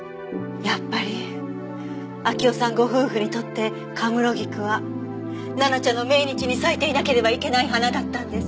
やっぱり秋生さんご夫婦にとって神室菊は奈々ちゃんの命日に咲いていなければいけない花だったんです。